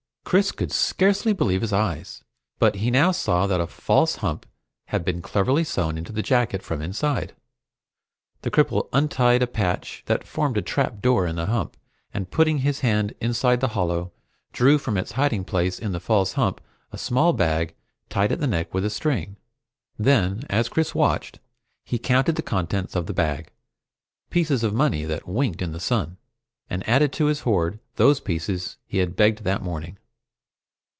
Chris could scarcely believe his eyes, but he now saw that a false hump had been cleverly sewn into the jacket from inside. The cripple untied a patch that formed a trap door in the hump, and putting his hand inside the hollow, drew from its hiding place in the false hump a small bag tied at the neck with a string. Then, as Chris watched, he counted the contents of the bag, pieces of money that winked in the sun, and added to his horde those pieces he had begged that morning.